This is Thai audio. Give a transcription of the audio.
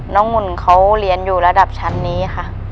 หมุนเขาเรียนอยู่ระดับชั้นนี้ค่ะ